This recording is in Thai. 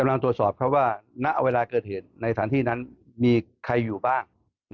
กำลังตรวจสอบครับว่าณเวลาเกิดเหตุในสถานที่นั้นมีใครอยู่บ้าง